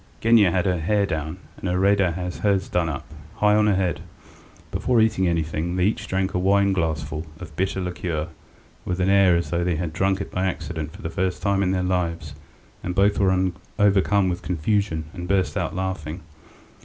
Genya had her hair down, and Iraida had hers done up high on her head. Before eating anything they each drank a wineglassful of bitter liqueur, with an air as though they had drunk it by accident for the first time in their lives and both were overcome with confusion and burst out laughing.